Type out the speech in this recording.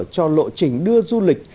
cho lộ trình đưa du lịch